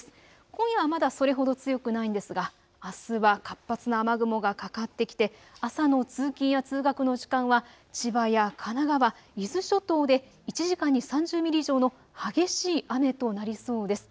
今夜はまだそれほど強くないんですがあすは活発な雨雲がかかってきて朝の通勤や通学の時間は千葉や神奈川、伊豆諸島で１時間に３０ミリ以上の激しい雨となりそうです。